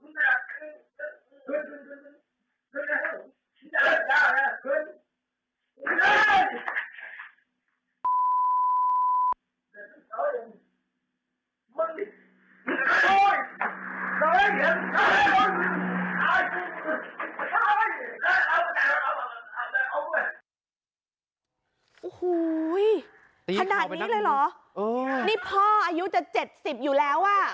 นี่พ่ออายุจะ๗๐อยู่แล้ว